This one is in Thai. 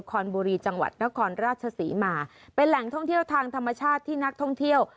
คอนบุรีจังหวัดนครราชศรีมาเป็นแหล่งท่องเที่ยวทางธรรมชาติที่นักท่องเที่ยว